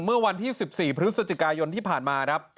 เมื่อวันที่๑๔พฤศจิกายนที่ผ่านมาครับ